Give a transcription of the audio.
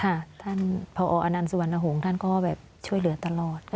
ได้ท่านพรภออนัลสุวันโนฮงท่านก็ช่วยเหลือตลอด